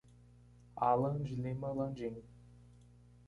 Alan de Lima Landim